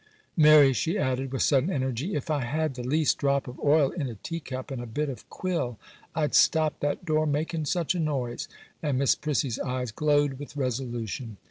'Mary,' she added, with sudden energy, 'if I had the least drop of oil in a teacup, and a bit of quill, I'd stop that door making such a noise.' And Miss Prissy's eyes glowed with resolution.